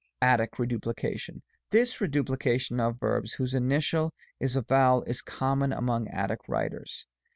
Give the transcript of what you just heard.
ATTIC REDUPLICATION. This reduplication of verbs, whose initial is a vowel, is common among Attic writers.